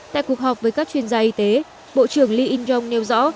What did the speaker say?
tại cuộc họp với các chuyên gia y tế bộ trưởng lee in jong nêu rõ